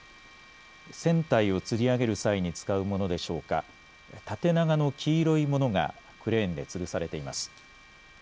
船体をつり上げる際に使うものでしょうか、縦長の黄色いものがクレーンでつるされています。